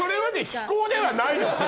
非行ではないですよ。